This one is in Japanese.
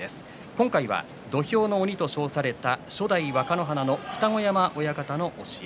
今回は土俵の鬼と称された初代若乃花の二子山親方の教え。